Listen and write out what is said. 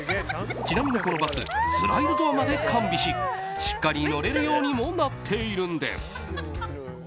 ちなみに、このバススライドドアまで完備ししっかり乗れるようにもなっているんです。